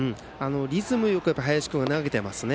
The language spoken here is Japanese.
リズムよく林君は投げてますね。